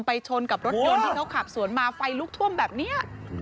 ชนกับรถยนต์ที่เขาขับสวนมาไฟลุกท่วมแบบนี้